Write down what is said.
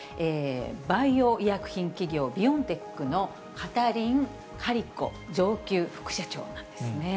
バイオ医薬品企業、ビオンテックのカタリン・カリコ上級副社長なんですね。